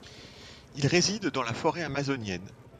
Il réside dans la forêt amazonienne.